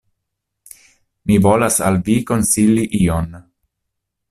Mi volas al Vi konsili ion!